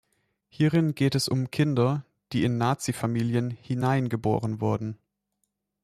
Hierin geht es um Kinder, die in Nazi-Familien hineingeboren wurden.